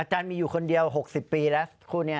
อาจารย์มีอยู่คนเดียว๖๐ปีแล้วคู่นี้